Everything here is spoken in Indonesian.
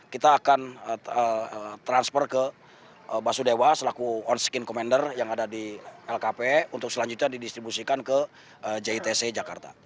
kita akan transfer ke basudewa selaku on skin commander yang ada di lkp untuk selanjutnya didistribusikan ke jitc jakarta